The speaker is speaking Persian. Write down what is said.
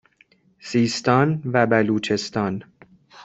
سیستان و بلوچستان